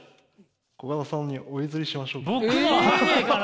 コカドさんにお譲りしましょうか？